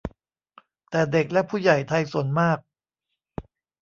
แต่เด็กและผู้ใหญ่ไทยส่วนมาก